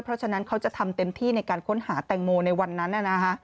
เพราะฉะนั้นเขาจะทำเต็มที่ในการค้นหาแตงโมในวันนั้น